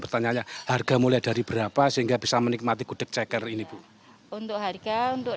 pertanyaannya harga mulai dari berapa sehingga bisa menikmati gudeg ceker ini bu untuk harga untuk